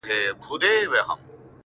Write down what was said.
• اوښکي نه راتویومه خو ژړا کړم.